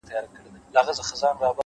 ریښتینی پرمختګ له دننه پیلېږي؛